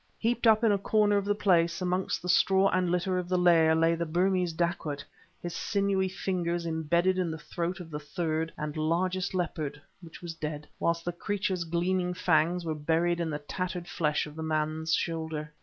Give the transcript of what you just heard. Heaped up in a corner of the place, amongst the straw and litter of the lair, lay the Burmese dacoit, his sinewy fingers embedded in the throat of the third and largest leopard which was dead whilst the creature's gleaming fangs were buried in the tattered flesh of the man's shoulder.